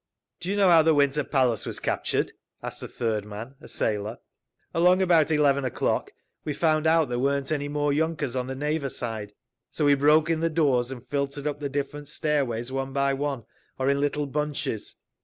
"Do you know how the Winter Palace was captured?" asked a third man, a sailor. "Along about eleven o'clock we found out there weren't any more yunkers on the Neva side. So we broke in the doors and filtered up the different stairways one by one, or in little bunches.